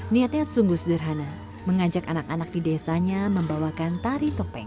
niatnya sungguh sederhana mengajak anak anak di desanya membawakan tari topeng